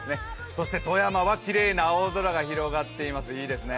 そして富山はきれいな青空が広がっています、いいですね。